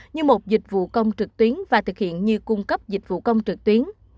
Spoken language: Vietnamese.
như một dịch vụ công trực tuyến và thực hiện như cung cấp dịch vụ công trực tuyến